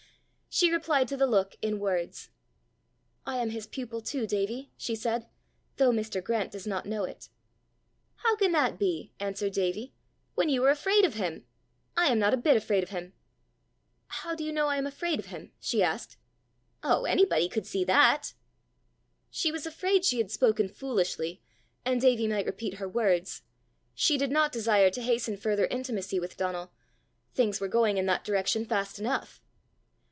She replied to the look in words: "I am his pupil, too, Davie," she said, "though Mr. Grant does not know it." "How can that be," answered Davie, "when you are afraid of him? I am not a bit afraid of him!" "How do you know I am afraid of him?" she asked. "Oh, anybody could see that!" She was afraid she had spoken foolishly, and Davie might repeat her words: she did not desire to hasten further intimacy with Donal; things were going in that direction fast enough!